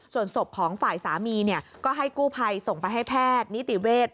ส่วนศพของฝ่ายสามีก็ให้กู้ภัยส่งไปให้แพทย์นิติเวทย์